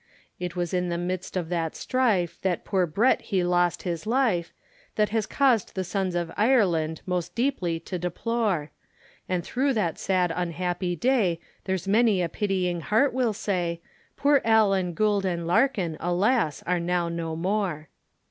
It was in the midst of that strife, that poor Brett he lost his life, That has caused the sons of Ireland most deeply to deplore, And through that sad unhappy day, there's many a pitying heart will say, Poor Allen, Gould, and Larkin, alas! are now no more.